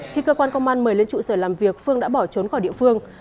khi cơ quan công an mời lên trụ sở làm việc phương đã bỏ trốn khỏi địa phương